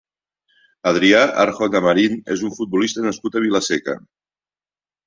Adrià Arjona Marín és un futbolista nascut a Vila-seca.